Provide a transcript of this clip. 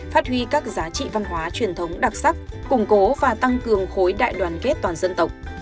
phát huy các giá trị văn hóa truyền thống đặc sắc củng cố và tăng cường khối đại đoàn kết toàn dân tộc